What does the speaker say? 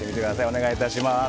お願い致します。